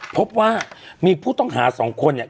พบว่ามีผู้ต้องหาสองคนเนี่ย